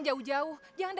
saburu untuk atau tidak